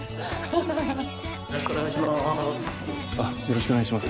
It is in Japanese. よろしくお願いします。